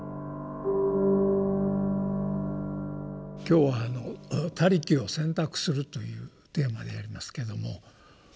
今日は「他力を選択する」というテーマでありますけども。